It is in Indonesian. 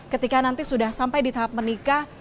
ketika nanti sudah sampai di tahap menikah